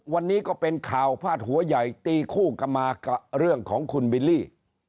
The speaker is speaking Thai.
วันนี้ก็เป็นข่าวพาดหัวใหญ่ตีคู่กลับมากับเรื่องของคุณบิลลี่